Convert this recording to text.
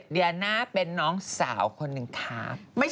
เดียน่าเป็นน้องสาวคนหนึ่งครับ